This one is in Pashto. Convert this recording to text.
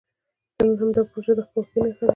نن همدا پروژه د خپلواکۍ نښه ده.